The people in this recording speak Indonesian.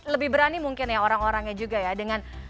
lebih berani mungkin ya orang orangnya juga ya